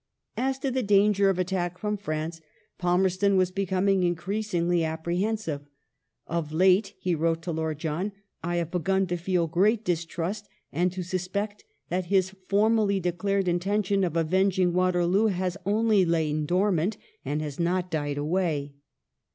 As to the danger of attack from France, Palmerston was becoming increasingly apprehensive. " Of late," he wrote to Lord John, " I have begun to feel great distrust and to suspect that his formally declared in tention of avenging Waterloo has only lain dormant and has not died away."